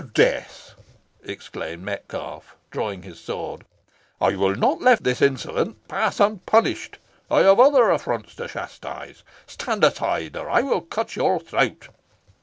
"'Sdeath!" exclaimed Metcalfe, drawing his sword, "I will not let this insolence pass unpunished. I have other affronts to chastise. Stand aside, or I will cut your throat."